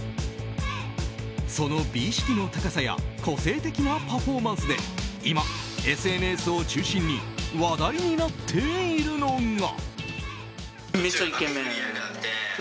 その美意識の高さや個性的なパフォーマンスで今、ＳＮＳを中心に話題になっているのが。